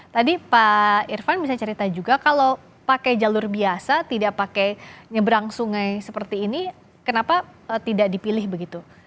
tadi pak irfan bisa cerita juga kalau pakai jalur biasa tidak pakai nyebrang sungai seperti ini kenapa tidak dipilih begitu